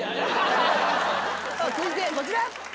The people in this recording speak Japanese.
続いてこちら。